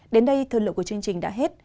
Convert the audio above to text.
đến đây thơ lượng của chương trình đã hết